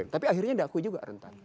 tapi akhirnya daku juga rentan